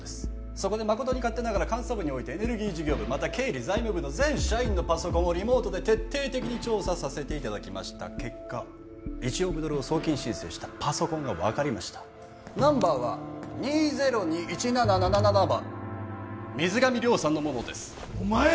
そこで誠に勝手ながら監査部においてエネルギー事業部また経理財務部の全社員のパソコンをリモートで徹底的に調査させていただきました結果１億ドルを送金申請したパソコンが分かりましたナンバーは２０２１７７７番水上了さんのものですお前！